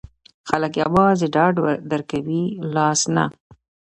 خلګ یوازې ډاډ درکوي، لاس نه.